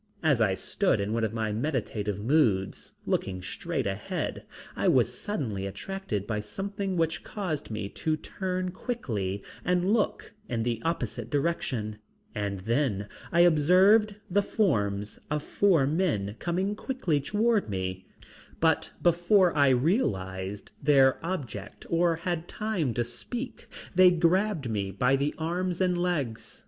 As I stood in one of my meditative moods, looking straight ahead, I was suddenly attracted by something which caused me to turn quickly and look in the opposite direction, and then I observed the forms of four men coming quickly toward me, but before I realized their object or had time to speak, they grabbed me by the arms and legs.